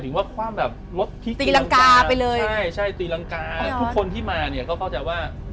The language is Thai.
อ๋อตีรังกาไปเลยใช่ตีรังกาทุกคนที่มาเนี่ยเข้าใจว่า